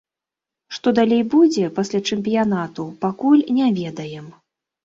Што далей будзе, пасля чэмпіянату, пакуль не ведаем.